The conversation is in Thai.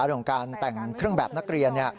เรื่องของการแต่งเครื่องแบบนักเรียน